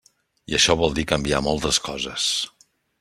I això vol dir canviar moltes coses.